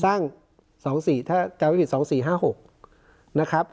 สร้างสองสี่ถ้าการไว้ผิดสองสี่ห้าหกนะครับ